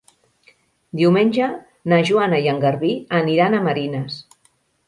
Diumenge na Joana i en Garbí aniran a Marines.